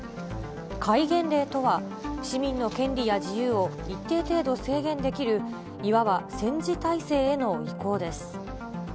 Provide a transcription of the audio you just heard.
戒厳令とは、市民の権利や自由を一定程度制限できる、いわば戦時体制への移行です。